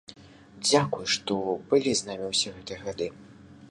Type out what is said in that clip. Дзякуй, што былі з намі ўсе гэтыя гады!